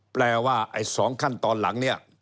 แปลว่าไอ้๒ขั้นตอนหลังเนี่ย